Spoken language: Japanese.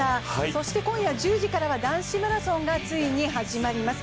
そして今夜１０時からは男子マラソンがついに始まります。